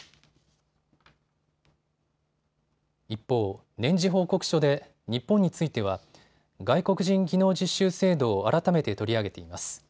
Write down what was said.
一方、年次報告書で日本については外国人技能実習制度を改めて取り上げています。